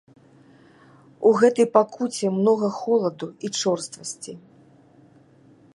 У гэтай пакуце многа холаду і чорствасці.